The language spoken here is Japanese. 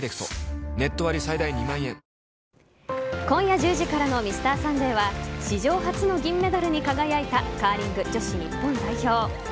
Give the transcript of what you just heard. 今夜１０時からの「Ｍｒ．サンデー」は史上初の銀メダルに輝いたカーリング女子日本代表。